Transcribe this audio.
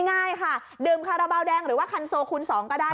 ง่ายค่ะดื่มคาราบาลแดงหรือว่าคันโซคูณ๒ก็ได้